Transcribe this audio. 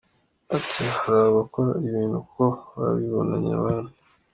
Ati “Hari abakora ibintu kuko babibonanye abandi.